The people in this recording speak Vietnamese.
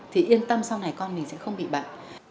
thì yên tâm sau này con mình sẽ không bị bệnh